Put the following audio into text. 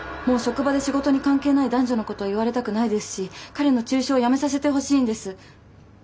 もう職場で仕事に関係ない男女のことを言われたくないですし彼の中傷をやめさせてほしいんです。